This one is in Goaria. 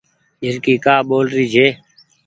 جهرڪي ڪآ ٻول رهي ڇي۔